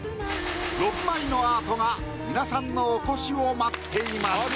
６枚のアートが皆さんのお越しを待っています。